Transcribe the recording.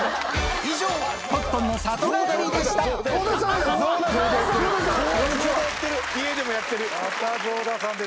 以上、コットンの里帰りでし象田さんや。